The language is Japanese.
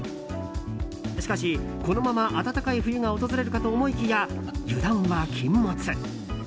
しかし、このまま暖かい冬が訪れるかと思いきや、油断は禁物。